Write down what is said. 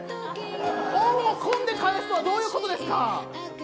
「恩」を「婚」で返すとはどういうことですか。